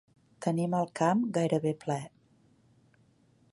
Tenim el camp gairebé ple.